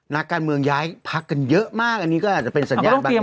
นักการเมืองย้ายพักกันเยอะมากอันนี้ก็อาจจะเป็นสัญญาณบางอย่าง